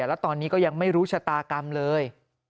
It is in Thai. แล้วตอนนี้ก็ยังไม่รู้ชะตากรรมเลย